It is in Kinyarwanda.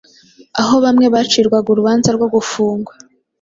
aho bamwe bacirwaga urubanza rwo gufungwa